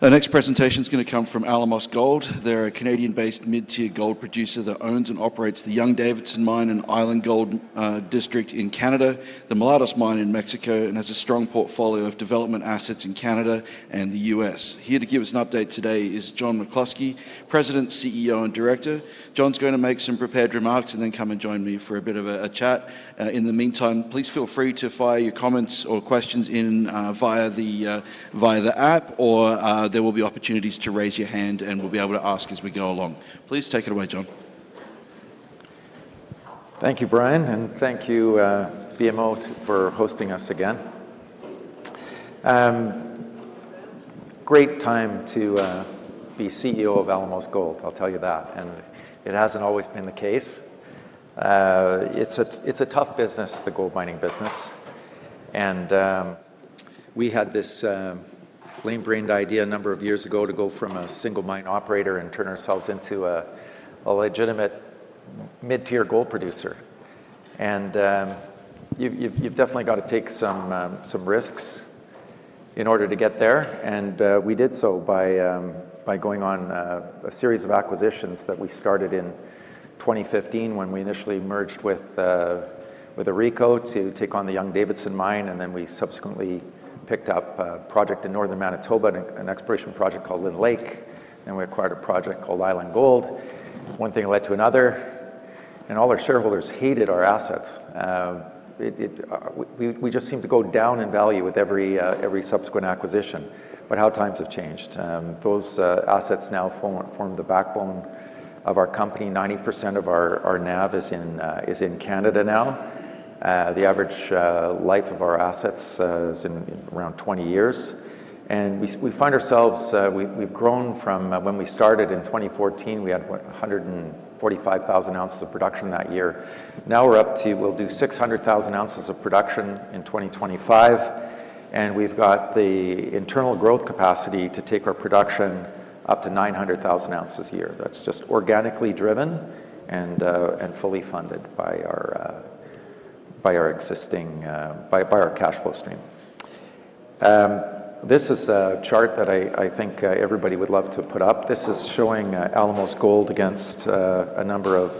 Our next presentation is going to come from Alamos Gold. They're a Canadian-based mid-tier gold producer that owns and operates the Young-Davidson Mine and Island Gold District in Canada, the Mulatos Mine in Mexico, and has a strong portfolio of development assets in Canada and the U.S. Here to give us an update today is John McCluskey, President, CEO, and Director. John's going to make some prepared remarks and then come and join me for a bit of a chat. In the meantime, please feel free to fire your comments or questions in via the app, or there will be opportunities to raise your hand, and we'll be able to ask as we go along. Please take it away, John. Thank you, Brian, and thank you, BMO, for hosting us again. Great time to be CEO of Alamos Gold, I'll tell you that, and it hasn't always been the case. It's a tough business, the gold mining business, and we had this lame-brained idea a number of years ago to go from a single mine operator and turn ourselves into a legitimate mid-tier gold producer. And you've definitely got to take some risks in order to get there, and we did so by going on a series of acquisitions that we started in 2015 when we initially merged with AuRico to take on the Young-Davidson Mine, and then we subsequently picked up a project in Northern Manitoba, an exploration project called Lynn Lake, and we acquired a project called Island Gold. One thing led to another, and all our shareholders hated our assets. We just seemed to go down in value with every subsequent acquisition, but how times have changed. Those assets now form the backbone of our company. 90% of our NAV is in Canada now. The average life of our assets is around 20 years, and we find ourselves. We've grown from when we started in 2014, we had 145,000 ounces of production that year. Now we're up to. We'll do 600,000 ounces of production in 2025, and we've got the internal growth capacity to take our production up to 900,000 ounces a year. That's just organically driven and fully funded by our existing cash flow stream. This is a chart that I think everybody would love to put up. This is showing Alamos Gold against a number of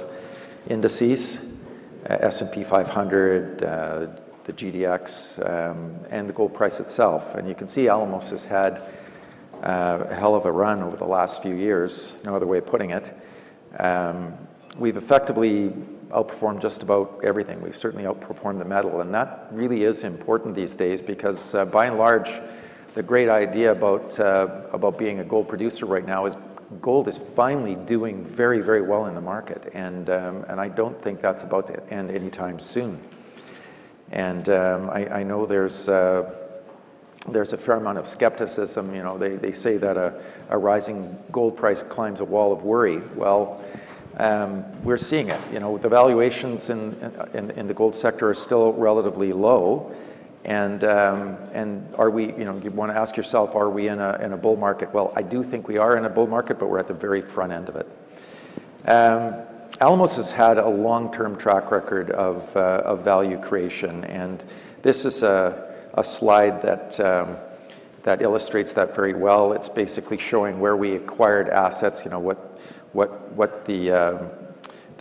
indices: S&P 500, the GDX, and the gold price itself. You can see Alamos has had a hell of a run over the last few years, no other way of putting it. We've effectively outperformed just about everything. We've certainly outperformed the metal, and that really is important these days because, by and large, the great idea about being a gold producer right now is gold is finally doing very, very well in the market, and I don't think that's about to end anytime soon. And I know there's a fair amount of skepticism. You know, they say that a rising gold price climbs a wall of worry. Well, we're seeing it. You know, the valuations in the gold sector are still relatively low, and are we? You want to ask yourself, are we in a bull market? Well, I do think we are in a bull market, but we're at the very front end of it. Alamos has had a long-term track record of value creation, and this is a slide that illustrates that very well. It's basically showing where we acquired assets, you know, what the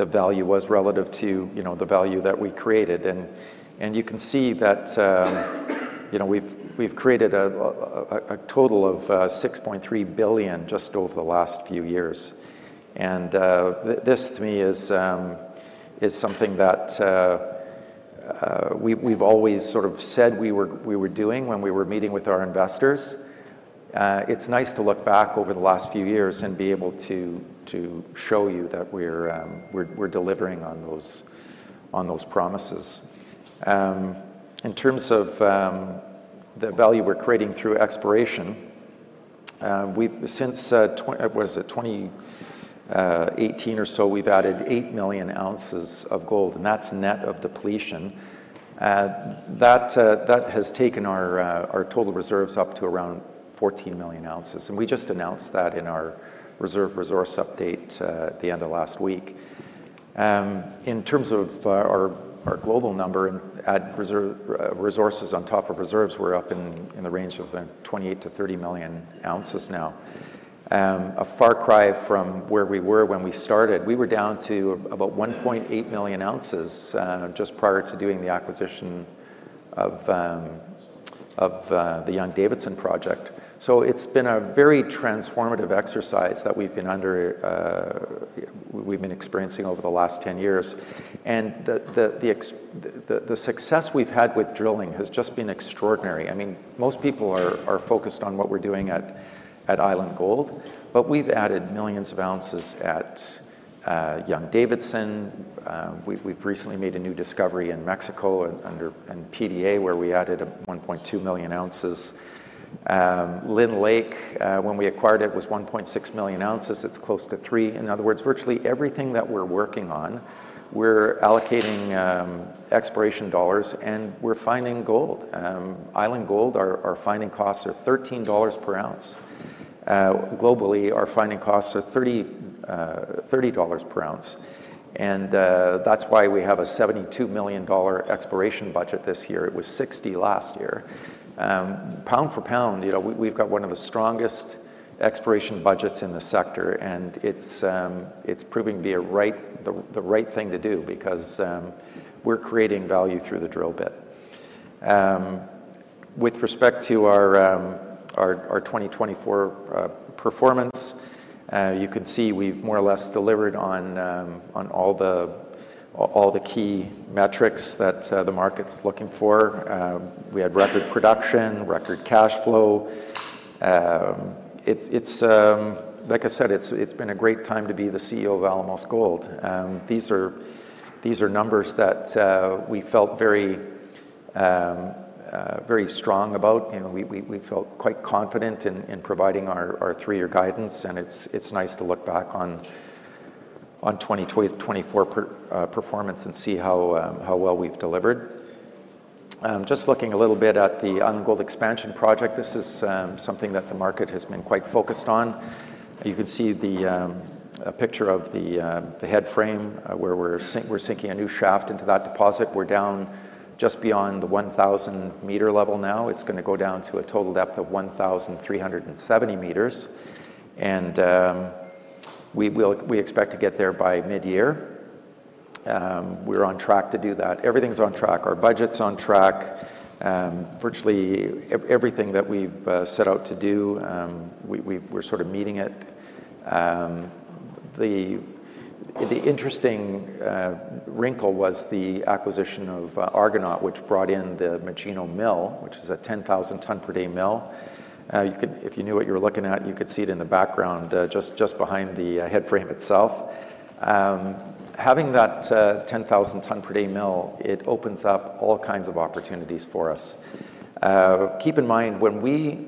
value was relative to, you know, the value that we created, and you can see that, you know, we've created a total of $6.3 billion just over the last few years, and this, to me, is something that we've always sort of said we were doing when we were meeting with our investors. It's nice to look back over the last few years and be able to show you that we're delivering on those promises. In terms of the value we're creating through exploration, since 2018 or so, we've added 8 million ounces of gold, and that's net of depletion. That has taken our total reserves up to around 14 million ounces, and we just announced that in our reserves and resources update at the end of last week. In terms of our global number and resources on top of reserves, we're up in the range of 28-30 million ounces now. A far cry from where we were when we started. We were down to about 1.8 million ounces just prior to doing the acquisition of the Young-Davidson Project. So it's been a very transformative exercise that we've been experiencing over the last 10 years, and the success we've had with drilling has just been extraordinary. I mean, most people are focused on what we're doing at Island Gold, but we've added millions of ounces at Young-Davidson. We've recently made a new discovery in Mexico at PDA where we added 1.2 million ounces. Lynn Lake, when we acquired it, was 1.6 million ounces. It's close to 3. In other words, virtually everything that we're working on, we're allocating exploration dollars, and we're finding gold. Island Gold, our finding costs are $13 per ounce. Globally, our finding costs are $30 per ounce, and that's why we have a $72 million exploration budget this year. It was $60 last year. Pound for pound, you know, we've got one of the strongest exploration budgets in the sector, and it's proving to be the right thing to do because we're creating value through the drill bit. With respect to our 2024 performance, you can see we've more or less delivered on all the key metrics that the market's looking for. We had record production, record cash flow. It's, like I said, it's been a great time to be the CEO of Alamos Gold. These are numbers that we felt very strong about. You know, we felt quite confident in providing our three-year guidance, and it's nice to look back on 2024 performance and see how well we've delivered. Just looking a little bit at the Alamos Gold expansion project, this is something that the market has been quite focused on. You can see the picture of the head frame where we're sinking a new shaft into that deposit. We're down just beyond the 1,000-meter level now. It's going to go down to a total depth of 1,370 meters, and we expect to get there by mid-year. We're on track to do that. Everything's on track. Our budget's on track. Virtually everything that we've set out to do, we're sort of meeting it. The interesting wrinkle was the acquisition of Argonaut, which brought in the Magino Mill, which is a 10,000-ton-per-day mill. If you knew what you were looking at, you could see it in the background just behind the head frame itself. Having that 10,000-ton-per-day mill, it opens up all kinds of opportunities for us. Keep in mind, when we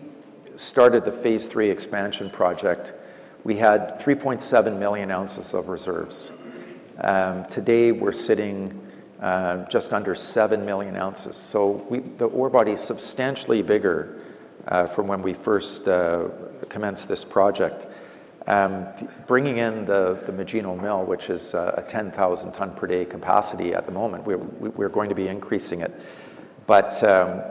started the phase three expansion project, we had 3.7 million ounces of reserves. Today, we're sitting just under 7 million ounces. So the ore body is substantially bigger from when we first commenced this project. Bringing in the Magino Mill, which is a 10,000-ton-per-day capacity at the moment, we're going to be increasing it. But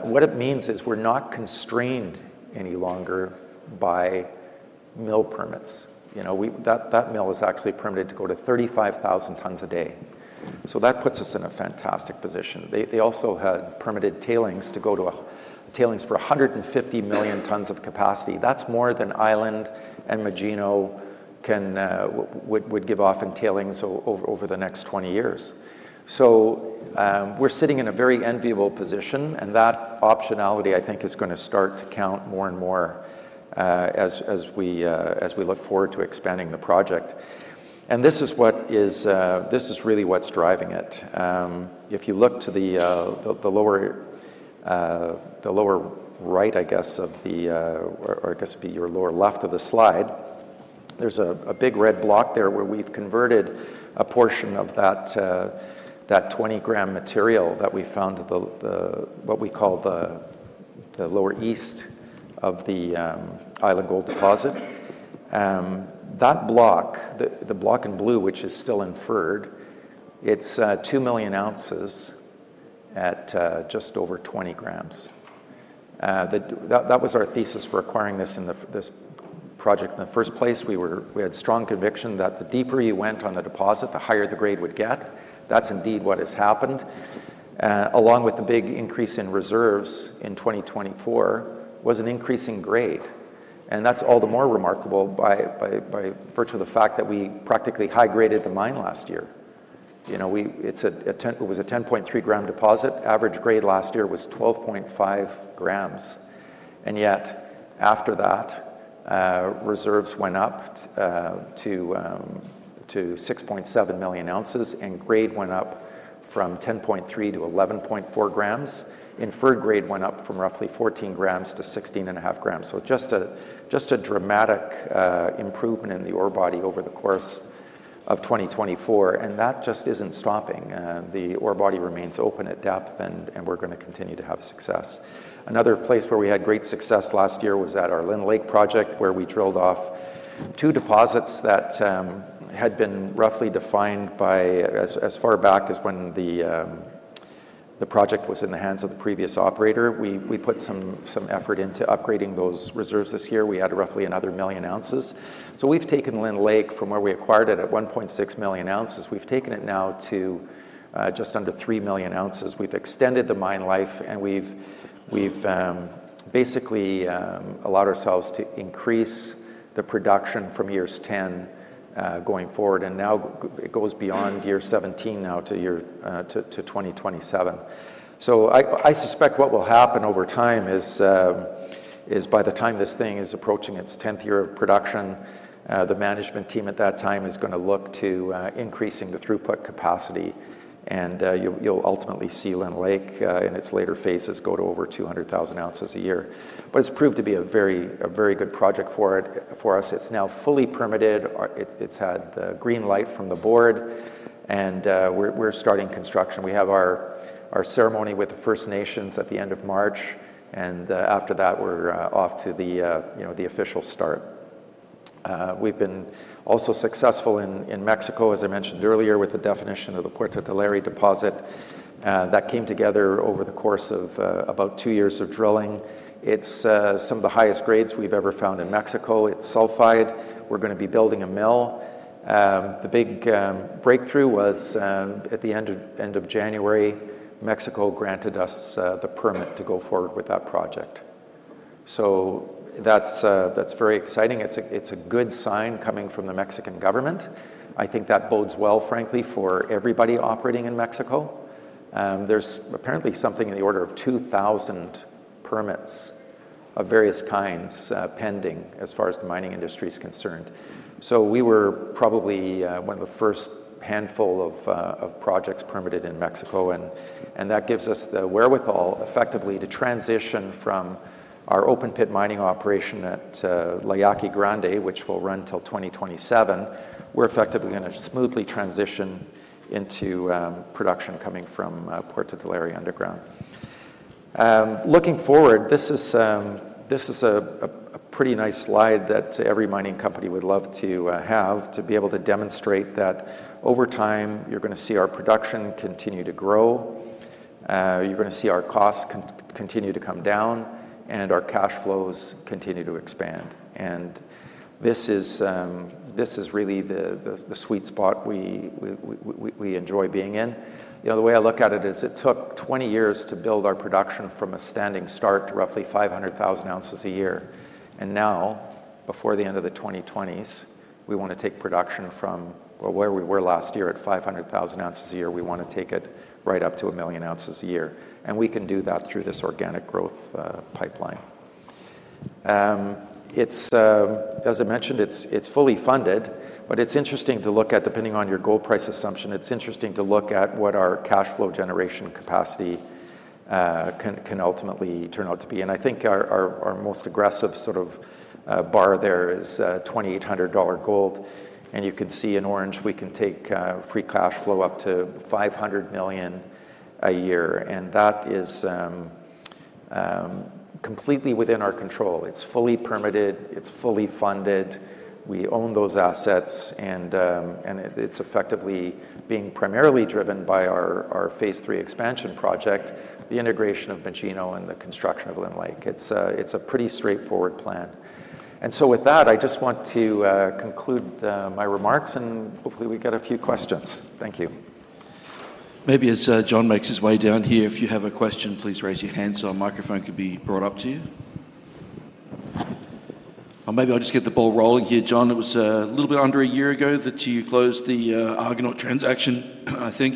what it means is we're not constrained any longer by mill permits. You know, that mill is actually permitted to go to 35,000 tons a day. So that puts us in a fantastic position. They also had permitted tailings to go to tailings for 150 million tons of capacity. That's more than Island and Magino would give off in tailings over the next 20 years, so we're sitting in a very enviable position, and that optionality, I think, is going to start to count more and more as we look forward to expanding the project, and this is really what's driving it. If you look to the lower right, I guess, or I guess it'd be your lower left of the slide, there's a big red block there where we've converted a portion of that 20-gram material that we found, what we call the lower east of the Island Gold deposit. That block, the block in blue, which is still inferred, it's 2 million ounces at just over 20 g. That was our thesis for acquiring this project in the first place. We had strong conviction that the deeper you went on the deposit, the higher the grade would get. That's indeed what has happened. Along with the big increase in reserves in 2024 was an increasing grade, and that's all the more remarkable by virtue of the fact that we practically high-graded the mine last year. You know, it was a 10.3-gram deposit. Average grade last year was 12.5 g, and yet after that, reserves went up to 6.7 million ounces, and grade went up from 10.3 to 11.4 g. Inferred grade went up from roughly 14 g to 16.5 g. So just a dramatic improvement in the ore body over the course of 2024, and that just isn't stopping. The ore body remains open at depth, and we're going to continue to have success. Another place where we had great success last year was at our Lynn Lake project, where we drilled off two deposits that had been roughly defined by as far back as when the project was in the hands of the previous operator. We put some effort into upgrading those reserves this year. We added roughly another million ounces. So we've taken Lynn Lake from where we acquired it at 1.6 million ounces. We've taken it now to just under 3 million ounces. We've extended the mine life, and we've basically allowed ourselves to increase the production from years 10 going forward, and now it goes beyond year 17 now to 2027. I suspect what will happen over time is by the time this thing is approaching its 10th year of production, the management team at that time is going to look to increasing the throughput capacity, and you'll ultimately see Lynn Lake in its later phases go to over 200,000 ounces a year. But it's proved to be a very good project for us. It's now fully permitted. It's had the green light from the board, and we're starting construction. We have our ceremony with the First Nations at the end of March, and after that, we're off to the official start. We've been also successful in Mexico, as I mentioned earlier, with the definition of the Puerto del Aire deposit. That came together over the course of about two years of drilling. It's some of the highest grades we've ever found in Mexico. It's sulfide. We're going to be building a mill. The big breakthrough was at the end of January. Mexico granted us the permit to go forward with that project. So that's very exciting. It's a good sign coming from the Mexican government. I think that bodes well, frankly, for everybody operating in Mexico. There's apparently something in the order of 2,000 permits of various kinds pending as far as the mining industry is concerned. So we were probably one of the first handful of projects permitted in Mexico, and that gives us the wherewithal effectively to transition from our open-pit mining operation at La Yaqui Grande, which will run until 2027. We're effectively going to smoothly transition into production coming from Puerto del Aire underground. Looking forward, this is a pretty nice slide that every mining company would love to have to be able to demonstrate that over time you're going to see our production continue to grow, you're going to see our costs continue to come down, and our cash flows continue to expand. And this is really the sweet spot we enjoy being in. You know, the way I look at it is it took 20 years to build our production from a standing start to roughly 500,000 ounces a year, and now before the end of the 2020s, we want to take production from where we were last year at 500,000 ounces a year. We want to take it right up to a million ounces a year, and we can do that through this organic growth pipeline. As I mentioned, it's fully funded, but it's interesting to look at, depending on your gold price assumption, it's interesting to look at what our cash flow generation capacity can ultimately turn out to be. And I think our most aggressive sort of bar there is $2,800 gold, and you can see in orange we can take free cash flow up to $500 million a year, and that is completely within our control. It's fully permitted. It's fully funded. We own those assets, and it's effectively being primarily driven by our phase three expansion project, the integration of Magino and the construction of Lynn Lake. It's a pretty straightforward plan. And so with that, I just want to conclude my remarks, and hopefully we get a few questions. Thank you. Maybe as John makes his way down here, if you have a question, please raise your hand so our microphone can be brought up to you. Or maybe I'll just get the ball rolling here. John, it was a little bit under a year ago that you closed the Argonaut transaction, I think.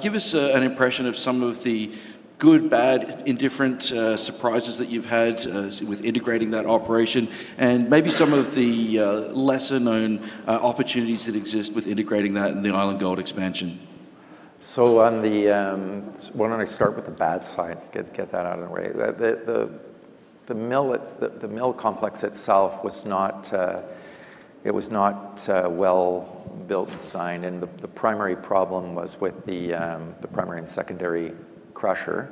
Give us an impression of some of the good, bad, indifferent surprises that you've had with integrating that operation, and maybe some of the lesser-known opportunities that exist with integrating that in the Island Gold expansion. So, why don't I start with the bad side? Get that out of the way. The mill complex itself was not well built and designed, and the primary problem was with the primary and secondary crusher,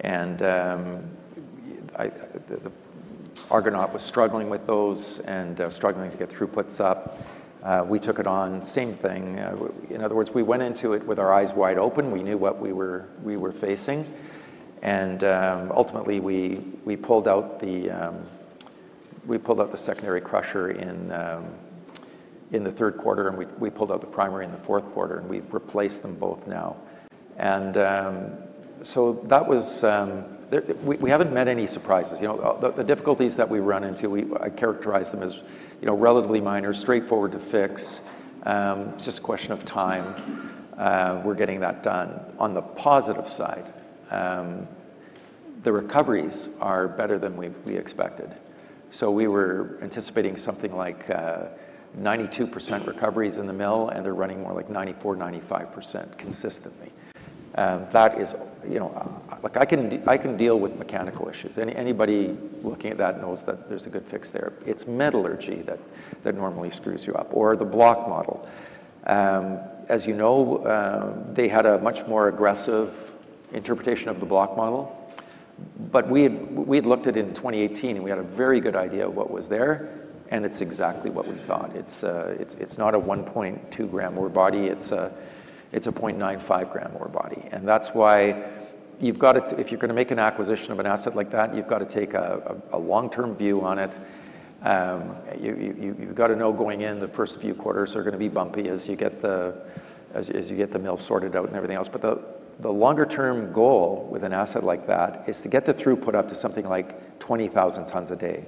and Argonaut was struggling with those and struggling to get throughputs up. We took it on. Same thing. In other words, we went into it with our eyes wide open. We knew what we were facing, and ultimately we pulled out the secondary crusher in the third quarter, and we pulled out the primary in the fourth quarter, and we've replaced them both now. And so that was. We haven't met any surprises. You know, the difficulties that we run into, I characterize them as relatively minor, straightforward to fix. It's just a question of time. We're getting that done. On the positive side, the recoveries are better than we expected. So we were anticipating something like 92% recoveries in the mill, and they're running more like 94%, 95% consistently. That is, you know, like I can deal with mechanical issues. Anybody looking at that knows that there's a good fix there. It's metallurgy that normally screws you up or the block model. As you know, they had a much more aggressive interpretation of the block model, but we had looked at it in 2018, and we had a very good idea of what was there, and it's exactly what we thought. It's not a 1.2-gram ore body. It's a 0.95-gram ore body, and that's why you've got to if you're going to make an acquisition of an asset like that, you've got to take a long-term view on it. You've got to know going in the first few quarters are going to be bumpy as you get the mill sorted out and everything else, but the longer-term goal with an asset like that is to get the throughput up to something like 20,000 tons a day.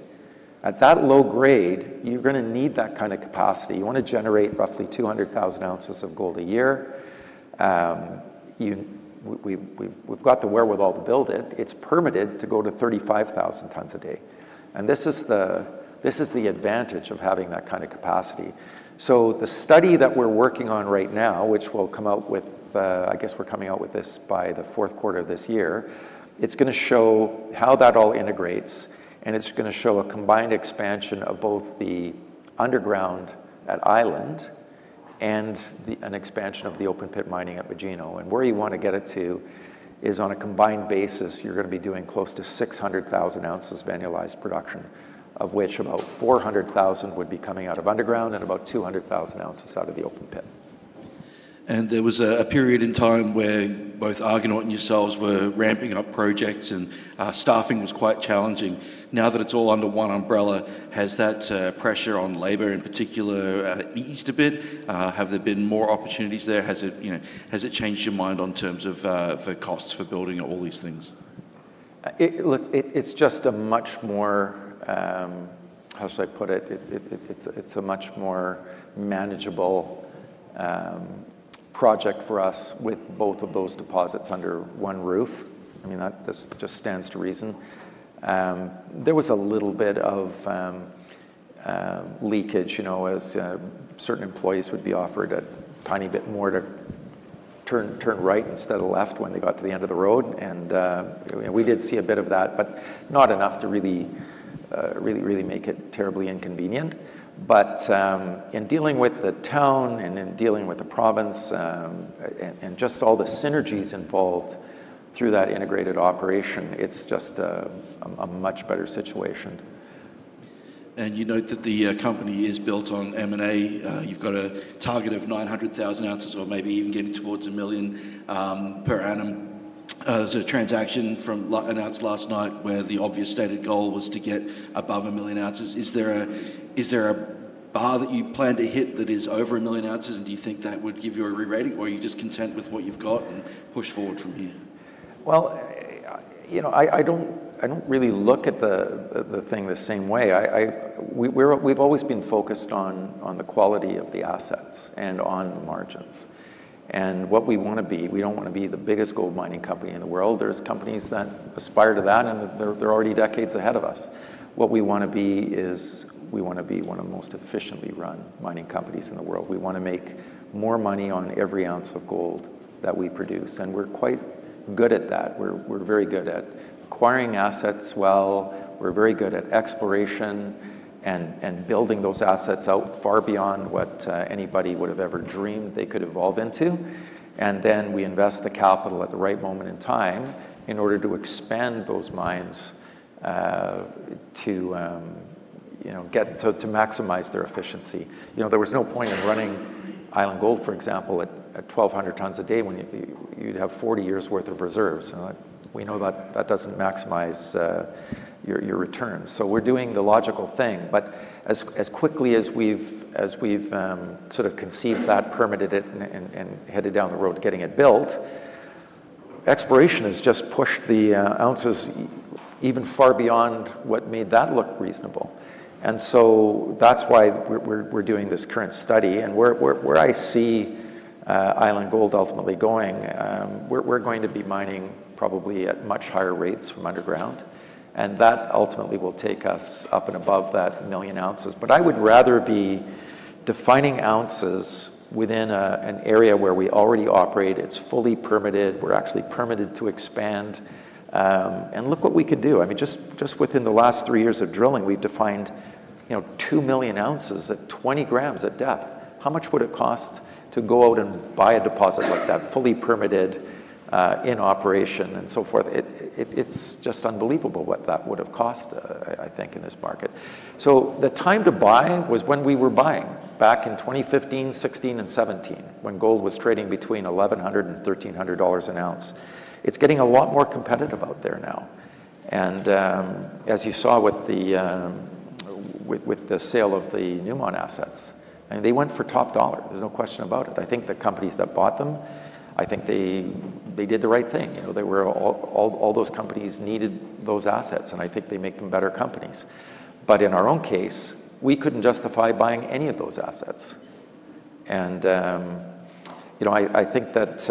At that low grade, you're going to need that kind of capacity. You want to generate roughly 200,000 ounces of gold a year. We've got the wherewithal to build it. It's permitted to go to 35,000 tons a day, and this is the advantage of having that kind of capacity. So the study that we're working on right now, which will come out with I guess we're coming out with this by the fourth quarter of this year, it's going to show how that all integrates, and it's going to show a combined expansion of both the underground at Island and an expansion of the open-pit mining at Magino. And where you want to get it to is on a combined basis, you're going to be doing close to 600,000 ounces of annualized production, of which about 400,000 would be coming out of underground and about 200,000 ounces out of the open pit. There was a period in time where both Argonaut and yourselves were ramping up projects, and staffing was quite challenging. Now that it's all under one umbrella, has that pressure on labor in particular eased a bit? Have there been more opportunities there? Has it changed your mind on terms of the costs for building all these things? Look, it's just a much more how should I put it? It's a much more manageable project for us with both of those deposits under one roof. I mean, that just stands to reason. There was a little bit of leakage, you know, as certain employees would be offered a tiny bit more to turn right instead of left when they got to the end of the road, and we did see a bit of that, but not enough to really, really, really make it terribly inconvenient. But in dealing with the town and in dealing with the province and just all the synergies involved through that integrated operation, it's just a much better situation. You note that the company is built on M&A. You've got a target of 900,000 ounces or maybe even getting towards a million per annum. There's a transaction announced last night where the obvious stated goal was to get above a million ounces. Is there a bar that you plan to hit that is over a million ounces, and do you think that would give you a re-rating, or are you just content with what you've got and push forward from here? Well, you know, I don't really look at the thing the same way. We've always been focused on the quality of the assets and on the margins, and what we want to be. We don't want to be the biggest gold mining company in the world. There's companies that aspire to that, and they're already decades ahead of us. What we want to be is we want to be one of the most efficiently run mining companies in the world. We want to make more money on every ounce of gold that we produce, and we're quite good at that. We're very good at acquiring assets well. We're very good at exploration and building those assets out far beyond what anybody would have ever dreamed they could evolve into, and then we invest the capital at the right moment in time in order to expand those mines to, you know, get to maximize their efficiency. You know, there was no point in running Island Gold, for example, at 1,200 tons a day when you'd have 40 years' worth of reserves, and we know that that doesn't maximize your returns. So we're doing the logical thing, but as quickly as we've sort of conceived that, permitted it, and headed down the road getting it built, exploration has just pushed the ounces even far beyond what made that look reasonable. And so that's why we're doing this current study, and where I see Island Gold ultimately going, we're going to be mining probably at much higher rates from underground, and that ultimately will take us up and above that million ounces. But I would rather be defining ounces within an area where we already operate. It's fully permitted. We're actually permitted to expand, and look what we could do. I mean, just within the last three years of drilling, we've defined, you know, 2 million ounces at 20 g at depth. How much would it cost to go out and buy a deposit like that, fully permitted, in operation and so forth? It's just unbelievable what that would have cost, I think, in this market. The time to buy was when we were buying back in 2015, 2016, and 2017, when gold was trading between $1,100 and $1,300 an ounce. It's getting a lot more competitive out there now, and as you saw with the sale of the Newmont assets, I mean, they went for top dollar. There's no question about it. I think the companies that bought them, I think they did the right thing. You know, all those companies needed those assets, and I think they make them better companies. But in our own case, we couldn't justify buying any of those assets, and you know, I think that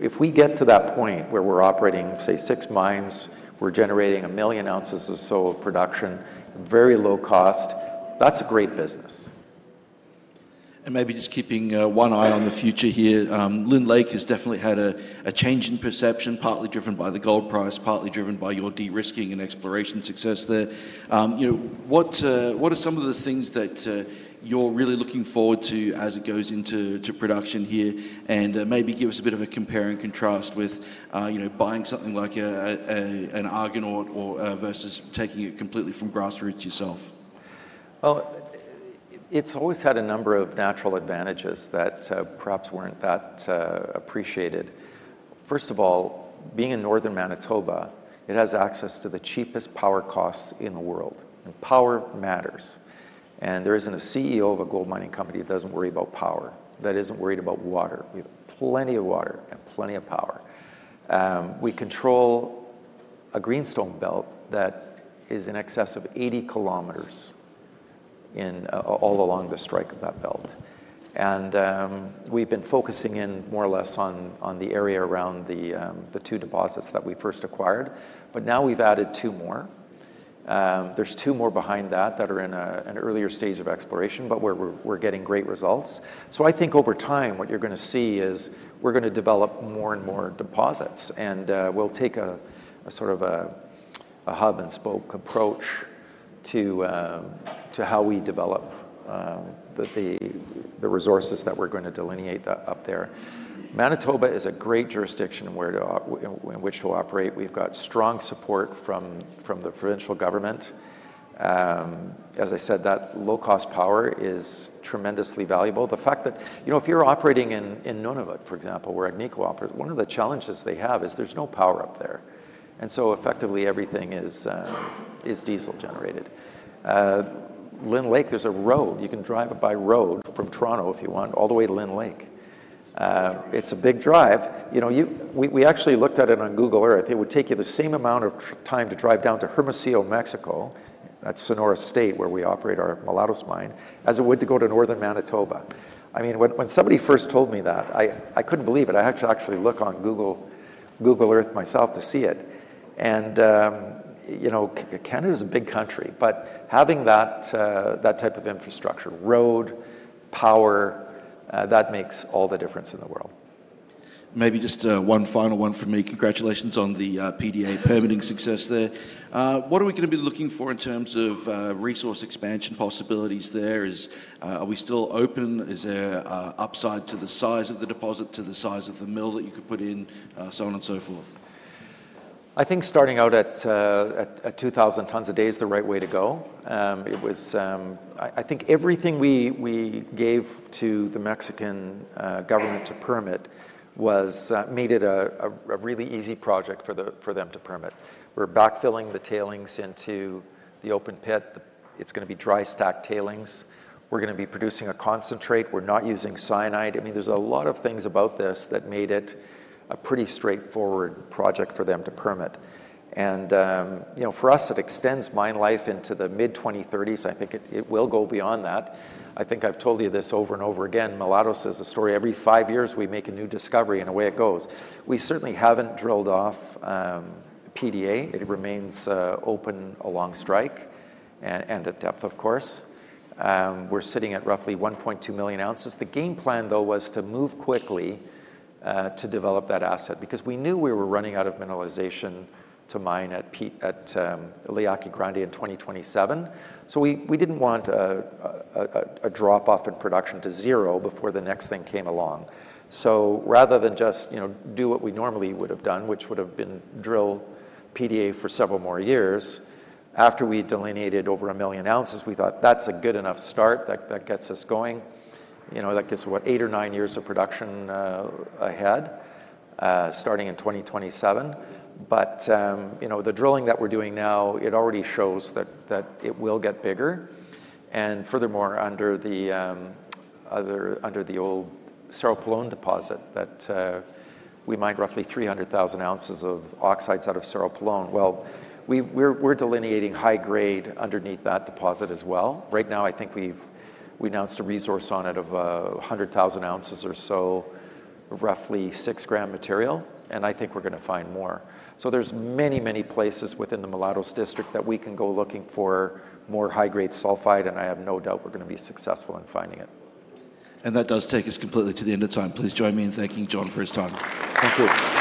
if we get to that point where we're operating, say, six mines, we're generating a million ounces or so of production, very low cost, that's a great business. Maybe just keeping one eye on the future here, Lynn Lake has definitely had a change in perception, partly driven by the gold price, partly driven by your de-risking and exploration success there. You know, what are some of the things that you're really looking forward to as it goes into production here, and maybe give us a bit of a compare and contrast with, you know, buying something like an Argonaut versus taking it completely from grassroots yourself? It's always had a number of natural advantages that perhaps weren't that appreciated. First of all, being in Northern Manitoba, it has access to the cheapest power costs in the world, and power matters. There isn't a CEO of a gold mining company that doesn't worry about power, that isn't worried about water. We have plenty of water and plenty of power. We control a greenstone belt that is in excess of 80 km all along the strike of that belt, and we've been focusing in more or less on the area around the two deposits that we first acquired, but now we've added two more. There's two more behind that that are in an earlier stage of exploration, but we're getting great results. So I think over time what you're going to see is we're going to develop more and more deposits, and we'll take a sort of a hub-and-spoke approach to how we develop the resources that we're going to delineate up there. Manitoba is a great jurisdiction in which to operate. We've got strong support from the provincial government. As I said, that low-cost power is tremendously valuable. The fact that, you know, if you're operating in Nunavut, for example, where Agnico operates, one of the challenges they have is there's no power up there, and so effectively everything is diesel generated. Lynn Lake, there's a road. You can drive it by road from Toronto if you want all the way to Lynn Lake. It's a big drive. You know, we actually looked at it on Google Earth. It would take you the same amount of time to drive down to Hermosillo, Mexico, that's Sonora State where we operate our Mulatos Mine, as it would to go to Northern Manitoba. I mean, when somebody first told me that, I couldn't believe it. I actually looked on Google Earth myself to see it, and you know, Canada is a big country, but having that type of infrastructure, road, power, that makes all the difference in the world. Maybe just one final one from me. Congratulations on the PDA permitting success there. What are we going to be looking for in terms of resource expansion possibilities there? Are we still open? Is there an upside to the size of the deposit, to the size of the mill that you could put in, so on and so forth? I think starting out at 2,000 tons a day is the right way to go. It was, I think, everything we gave to the Mexican government to permit made it a really easy project for them to permit. We're backfilling the tailings into the open pit. It's going to be dry stack tailings. We're going to be producing a concentrate. We're not using cyanide. I mean, there's a lot of things about this that made it a pretty straightforward project for them to permit, and you know, for us, it extends mine life into the mid-2030s. I think it will go beyond that. I think I've told you this over and over again. Mulatos is a story. Every five years we make a new discovery, and away it goes. We certainly haven't drilled off PDA. It remains open along strike and at depth, of course. We're sitting at roughly 1.2 million ounces. The game plan, though, was to move quickly to develop that asset because we knew we were running out of mineralization to mine at La Yaqui Grande in 2027, so we didn't want a drop-off in production to zero before the next thing came along. So rather than just, you know, do what we normally would have done, which would have been drill PDA for several more years, after we delineated over a million ounces, we thought that's a good enough start that gets us going. You know, that gives us, what, eight or nine years of production ahead starting in 2027, but you know, the drilling that we're doing now, it already shows that it will get bigger, and furthermore, under the old Cerro Pelon deposit that we mined roughly 300,000 ounces of oxides out of Cerro Pelon. We're delineating high grade underneath that deposit as well. Right now, I think we've announced a resource on it of 100,000 ounces or so of roughly 6 gram material, and I think we're going to find more. There's many, many places within the Mulatos District that we can go looking for more high-grade sulfide, and I have no doubt we're going to be successful in finding it. That does take us completely to the end of time. Please join me in thanking John for his time. Thank you.